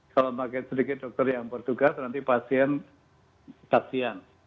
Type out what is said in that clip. kalau makan sedikit dokter yang bertugas nanti pasien taksian